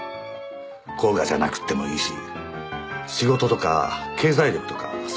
甲賀じゃなくってもいいし仕事とか経済力とかそういうのも全然。